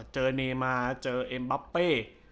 เนมาเจอเอ็มบับเป้